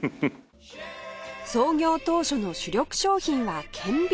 創業当初の主力商品は顕微鏡